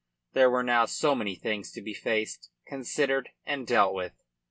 There were now so many things to be faced, considered, and dealt with.